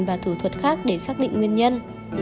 và thủ thuật khác để xác định nguyên nhân